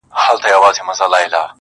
خان پر آس باند پښه واړول تیار سو -